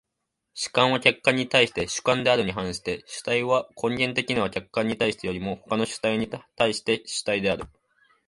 主観は客観に対して主観であるに反して、主体は根源的には客観に対してよりも他の主体に対して主体である。